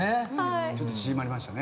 ちょっと縮まりましたね。